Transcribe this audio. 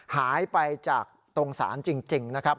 หายไปจากตรงศาลจริงนะครับ